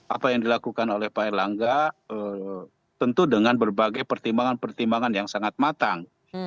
apa yang dilakukan oleh pak erlangga tentu dengan berbagai pertimbangan pertimbangan yang sangat matang